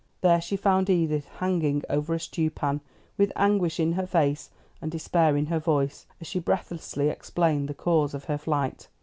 There she found Edith hanging over a stew pan, with anguish in her face and despair in her voice, as she breathlessly explained the cause of her flight.